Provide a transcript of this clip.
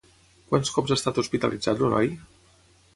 Quants cops ha estat hospitalitzat el noi?